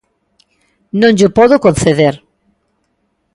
Non llo podo conceder.